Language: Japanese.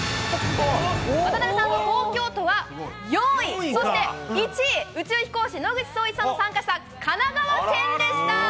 渡辺さんの東京都は４位、そして１位、宇宙飛行士、野口聡一さんの参加した神奈川県でした。